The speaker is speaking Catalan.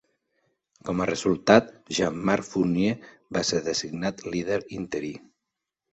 Com a resultat, Jean-Marc Fournier va ser designat líder interí.